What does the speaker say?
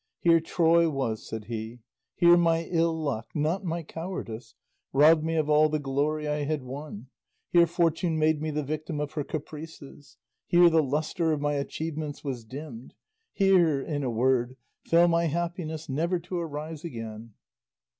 "Here Troy was," said he; "here my ill luck, not my cowardice, robbed me of all the glory I had won; here Fortune made me the victim of her caprices; here the lustre of my achievements was dimmed; here, in a word, fell my happiness never to rise again."